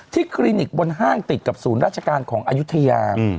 คลินิกบนห้างติดกับศูนย์ราชการของอายุทยา